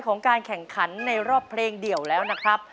ของการแข่งขันในรอบเพลงเดี่ยวแล้วนะครับ